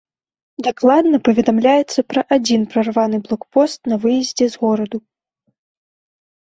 Дакладна паведамляецца пра адзін прарваны блокпост на выездзе з гораду.